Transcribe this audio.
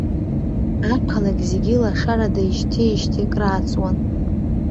Ақалақь зегьы лашарада ишьҭеижьҭеи акрааҵуан.